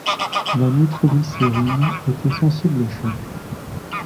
La nitroglycérine était sensible aux chocs.